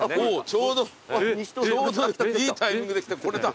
ちょうどいいタイミングで来た。